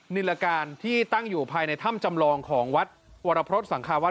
นิรการที่ตั้งอยู่ภายในถ้ำจำลองของวัดวรพฤษสังคาวัด